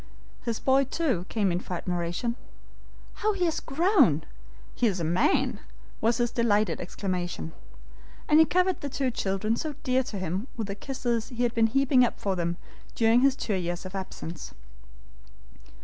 His boy, too, came in for admiration. "How he has grown! he is a man!" was his delighted exclamation. And he covered the two children so dear to him with the kisses he had been heaping up for them during his two years of absence.